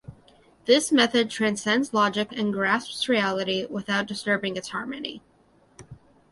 This method transcends logic and grasps reality without disturbing its harmony.